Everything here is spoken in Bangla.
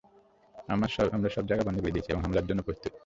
আমরা সবজায়গা বন্ধ করে দিয়েছি এবং হামলার জন্য প্রস্তুত।